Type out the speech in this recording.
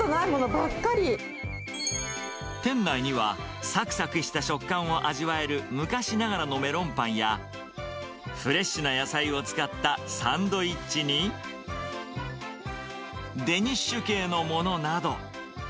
店内には、さくさくした食感を味わえる昔ながらのメロンパンや、フレッシュな野菜を使ったサンドイッチに、デニッシュ系のものなど。